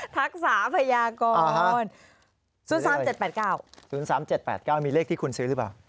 รักษาพยากร๐๓๗๘๙๐๓๗๘๙มีเลขที่คุณซื้อหรือเปล่า